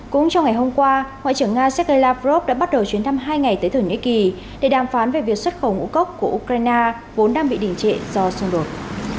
cũng trong ngày hôm qua ngoại trưởng nga sergei lavrov đã bắt đầu chuyến thăm hai ngày tới thổ nhĩ kỳ để đàm phán về việc xuất khẩu ngũ cốc của ukraine vốn đang bị đỉnh trệ do xung đột